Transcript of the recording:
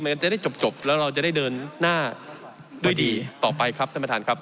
มันจะได้จบแล้วเราจะได้เดินหน้าด้วยดีต่อไปครับท่านประธานครับ